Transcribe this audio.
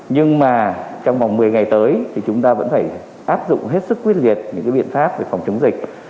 nhưng mà trong vòng một mươi ngày tới thì chúng ta vẫn phải áp dụng hết sức quyết liệt những biện pháp về phòng chống dịch